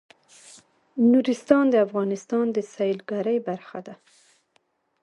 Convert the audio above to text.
نورستان د افغانستان د سیلګرۍ برخه ده.